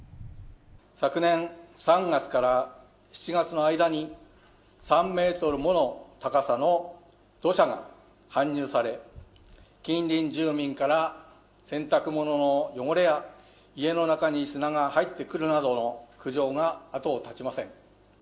昨年３月から７月の間に、３メートルもの高さの土砂が搬入され、近隣住民から、洗濯物の汚れや、家の中に砂が入ってくるなどの苦情が後を絶ちません。